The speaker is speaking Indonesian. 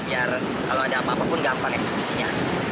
biar kalau ada apa apa pun gampang eksekusinya